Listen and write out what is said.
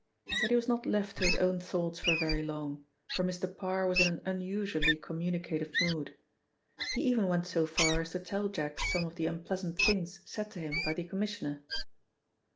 But he was not left to his own thoughts for very long, for Mr. Parr was in an unusually communicative mood. He even went so far as to tell Jack some of the unpleasant things said to him by the Commissioner.